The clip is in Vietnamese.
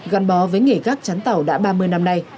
gắn bó với nghề gác chắn tàu đã ba mươi năm nay